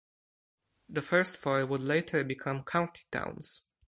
The first four would later become county towns.